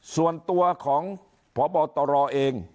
ส่วนตัวของพบตรเอง